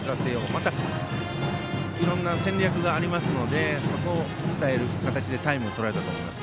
また、いろんな戦略がありますのでそこを伝える形でタイムを取られたと思います。